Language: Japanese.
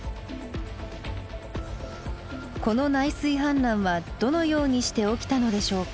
この内水氾濫はどのようにして起きたのでしょうか。